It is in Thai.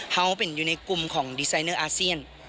เขาเป็นอยู่ในกลุ่มของดีไซเนอร์อาเซียน